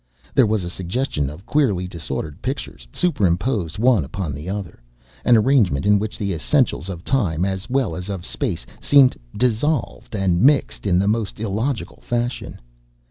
There was a suggestion of queerly disordered pictures superimposed one upon another; an arrangement in which the essentials of time as well as of space seemed dissolved and mixed in the most illogical fashion.